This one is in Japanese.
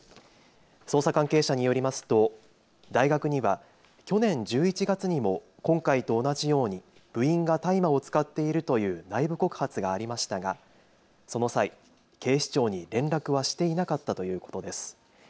捜査関係者によりますと大学には去年１１月にも今回と同じように部員が大麻を使っているという内部告発がありましたがその際、警視庁に連絡はしていなかったということです。